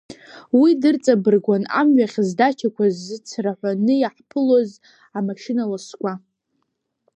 Уи дырҵабыргуан амҩахь здачақәа зыцраҳәаны иаҳԥылоз амашьыналасқәа.